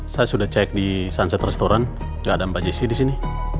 saya sudah cek di sunset restaurant gak ada mba jesse disini